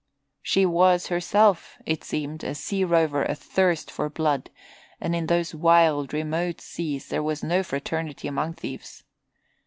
She was herself, it seemed, a sea rover athirst for blood and in those wild, remote seas there was no fraternity among thieves.